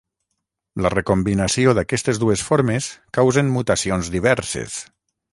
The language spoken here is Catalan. La recombinació d’aquestes dues formes causen mutacions diverses.